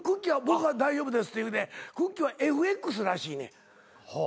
「僕は大丈夫です」って言うてくっきー！はＦＸらしいねん。